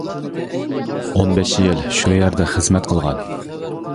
ئون بەش يىل شۇ يەردە خىزمەت قىلغان.